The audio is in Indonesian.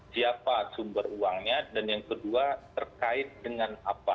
siapa sumber uangnya dan yang kedua terkait dengan apa